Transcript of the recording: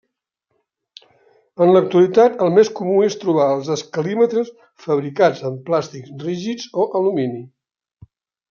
En l'actualitat el més comú és trobar els escalímetres fabricats amb plàstics rígids o alumini.